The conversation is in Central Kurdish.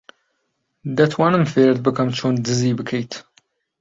دەتوانم فێرت بکەم چۆن دزی بکەیت.